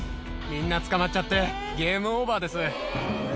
みんな捕まっちゃってゲームオーバーです。